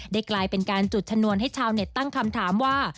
กลายเป็นการจุดชนวนให้ชาวเน็ตตั้งคำถามว่า